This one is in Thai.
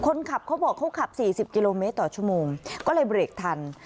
เขาบอกเขาขับ๔๐กิโลเมตรต่อชั่วโมงก็เลยเบรกทัน